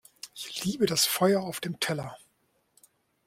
Ich liebe das Feuer auf dem Teller!